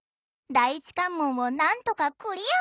第一関門をなんとかクリア！